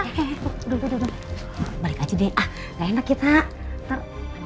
hehehe udah udah udah udah balik aja deh ah gak enak kita ntar